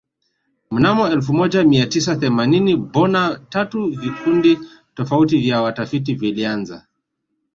Mnamo elfu moja Mia tisa themanini bona tatu vikundi tofauti vya watafiti vilianza